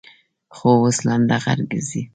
خو اوس لنډغر گرځي.